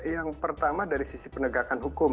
yang pertama dari sisi penegakan hukum